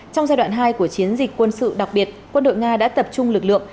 trong giai đoạn hai của chiến dịch quân sự đặc biệt quân đội nga đã tập trung lực lượng